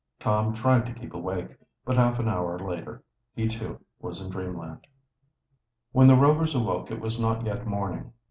Tom tried to keep awake, but half an hour later he, too, was in dreamland. When the Rovers awoke it was not yet morning.